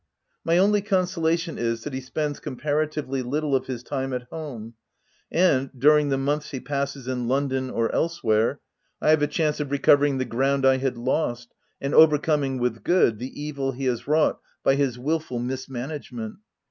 My only consolation is, that he spends comparatively little of his time at home, and, during the months he passes in London or elsewhere, I have a chance of re covering the ground I had lost, and overcoming with good the evil he has wrought by his wilful mismanagement.